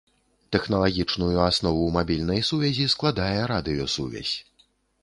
Тэхналагічную аснову мабільнай сувязі складае радыёсувязь.